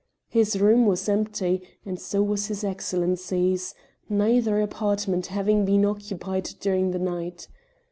His room was empty, and so was his Excellency's, neither apartment having been occupied during the night.